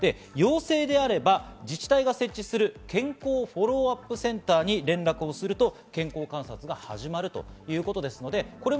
陽性であれば自治体が設置する健康フォローアップセンターに連絡をすると健康観察が始まるということです。